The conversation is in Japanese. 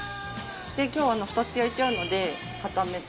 今日２つ焼いちゃうのでかためて。